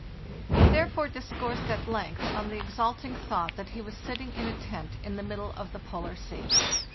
He thereafter dis coursed at length on the exalting thought that he was sitting in a tent in the middle of the Polar Sea.